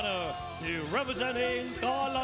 ตอนนี้มวยกู้ที่๓ของรายการ